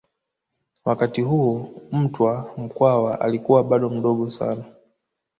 Wakati huo Mtwa Mkwawa alikuwa bado mdogo sana